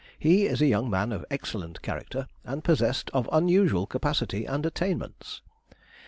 He is a young man of excellent character, and possessed of unusual capacity and attainments.